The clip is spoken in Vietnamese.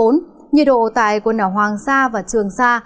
nhiệt độ tại quần đảo hoàng sa và trường sa